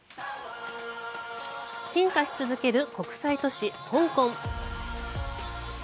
進化し続ける国際都市、香港。